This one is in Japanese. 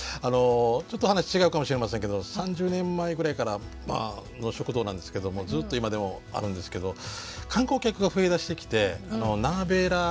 ちょっと話違うかもしれませんけど３０年前ぐらいからの食堂なんですけどもずっと今でもあるんですけど観光客が増えだしてきてナーベーラー